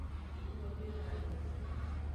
Yi nyo de da no o.